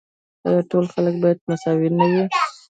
آیا ټول خلک باید مساوي نه وي؟